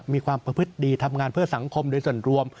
มีความประพฤติดีทำงานเพื่อสังคมโดยส่วนรวม